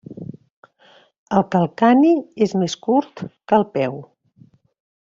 El calcani és més curt que el peu.